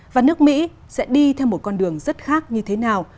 và nước mỹ sẽ đi theo một con đường rất khác như thế nào